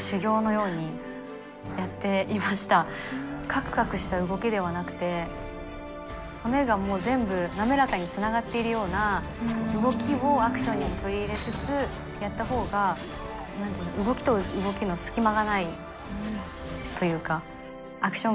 カクカクした動きではなくて骨が全部滑らかにつながっているような動きをアクションにも取り入れつつやったほうが動きと動きの隙間がないというか。